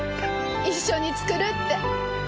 一緒に作るって。